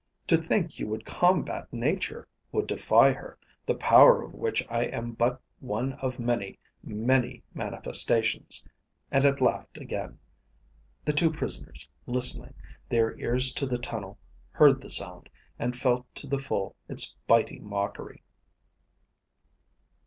"To think you would combat Nature, would defy her, the power of which I am but one of many, many manifestations!" And it laughed again. The two prisoners, listening, their ears to the tunnel, heard the sound, and felt to the full its biting mockery.